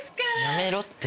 やめろって。